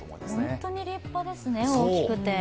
本当に立派ですね、大きくて。